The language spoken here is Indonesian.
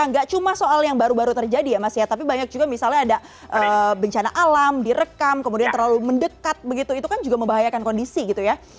nggak cuma soal yang baru baru terjadi ya mas ya tapi banyak juga misalnya ada bencana alam direkam kemudian terlalu mendekat begitu itu kan juga membahayakan kondisi gitu ya